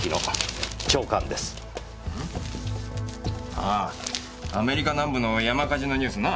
あぁアメリカ南部の山火事のニュースな。